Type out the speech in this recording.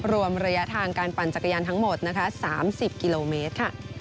รวมระยะทางการปั่นจักรยานทั้งหมดนะคะ๓๐กิโลเมตรค่ะ